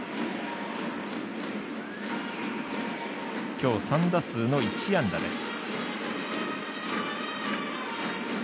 今日３打数の１安打です。